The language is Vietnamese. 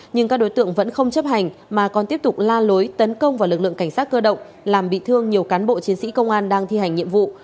nhưng các đối tượng vẫn không chấp hành mà còn tiếp tục la lối tấn công vào lực lượng cảnh sát cơ động làm bị thương nhiều cán bộ chiến sĩ công an đang thi hành nhiệm vụ